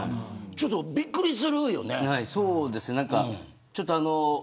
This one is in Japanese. ちょっとびっくりするよね。